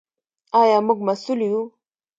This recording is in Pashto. آیا موږ مسوول یو؟